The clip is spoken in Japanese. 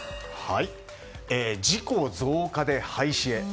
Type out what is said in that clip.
事故増加で廃止へ。